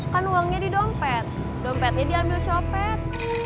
kan uangnya di dompet dompetnya diambil copet